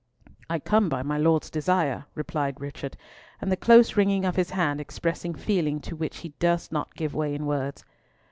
"I come by my Lord's desire," replied Richard, the close wringing of his hand expressing feeling to which he durst not give way in words.